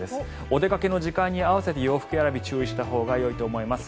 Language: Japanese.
お出かけの時間に合わせて洋服選び注意したほうがいいと思います。